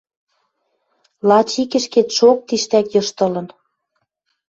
Лач ик ӹшкетшок тиштӓк йыштылын.